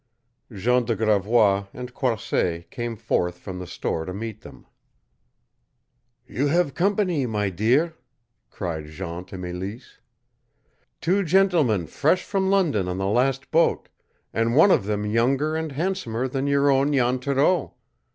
Jean de Gravois and Croisset came forth from the store to meet them. "You have company, my dear!" cried Jean to Mélisse. "Two gentlemen fresh from London on the last boat, and one of them younger and handsomer than your own Jan Thoreau.